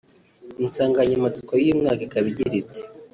Insanganyamatsiko y’uyu mwaka ikaba igira iti